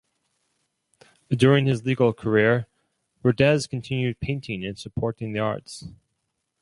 During his legal career Rodez continued painting and supporting the arts.